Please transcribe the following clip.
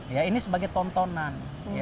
ya ini sebagai tontonan